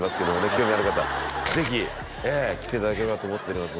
興味ある方ぜひええ来ていただければと思っております